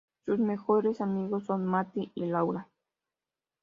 Sus mejores amigos son Matt y Laura.